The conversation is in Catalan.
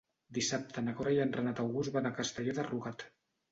Dissabte na Cora i en Renat August van a Castelló de Rugat.